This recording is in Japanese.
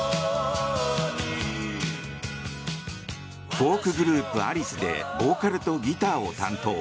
フォークグループ、アリスでボーカルとギターを担当。